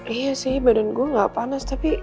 iya sih badan gue gak panas tapi